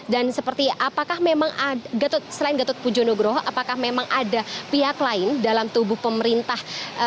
dan seperti apakah memang selain gatot pujo nugroho apakah memang ada pihak lain dalam tubuh pemerintahan provinsi sumatera utara